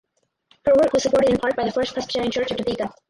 Her work was supported in part by the First Presbyterian Church of Topeka.